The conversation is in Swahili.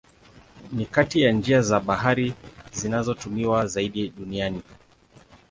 Ni kati ya njia za bahari zinazotumiwa zaidi duniani.